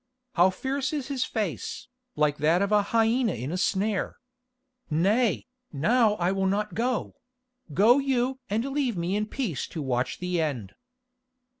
How fierce is his face, like that of a hyena in a snare. Nay, now I will not go—go you and leave me in peace to watch the end."